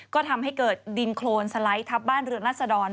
ก็ทำให้เกิดดินโครนสไลด์ทับบ้านเรือนรัศดร